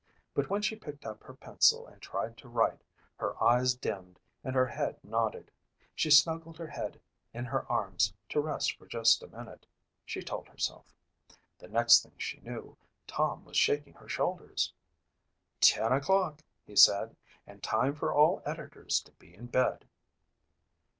But when she picked up her pencil and tried to write, her eyes dimmed and her head nodded. She snuggled her head in her arms to rest for just a minute, she told herself. The next thing she knew Tom was shaking her shoulders. "Ten o'clock," he said, "and time for all editors to be in bed."